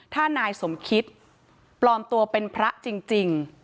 ถ้านายสมคิตปลอมตัวเป็นพระจริง